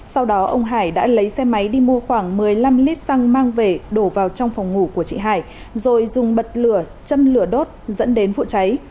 sau đó ông hải đã lấy xe máy đi mua khoảng một mươi năm lít xăng mang về đổ vào trong phòng ngủ của chị hải rồi dùng bật lửa châm lửa đốt dẫn đến vụ cháy